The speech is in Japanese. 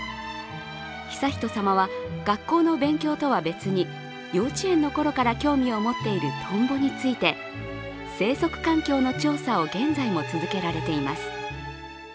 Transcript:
悠仁さまは学校の勉強とは別に、幼稚園のころから興味を持っているトンボについて、生息環境の調査を現在も続けられています。